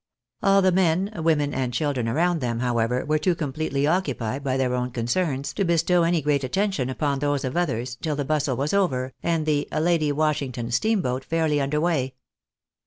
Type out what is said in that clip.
All the men, women, and children around them, however, were toe completely occupied by their own concerns to bestow any great attention upon those of others till the bustle was over, and the " Lady Washington " steamboat fairly under way.